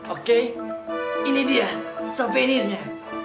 oke ini dia souvenirnya